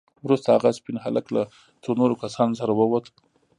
وروسته هغه سپين هلک له څو نورو کسانو سره ووت.